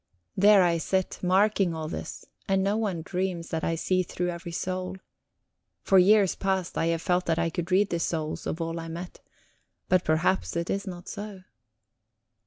There I sit, marking all this, and no one dreams that I see through every soul. For years past I have felt that I could read the souls of all I met. But perhaps it is not so...